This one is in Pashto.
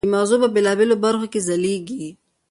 د مغزو په بېلابېلو برخو کې یې ځلېږي.